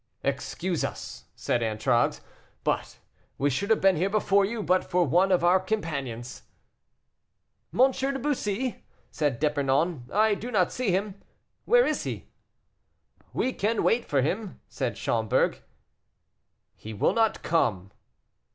"Excuse us," said Antragues, "but we should have been here before you, but for one of our companions." "M. de Bussy," said D'Epernon, "I do not see him. Where is he?" "We can wait for him," said Schomberg. "He will not come."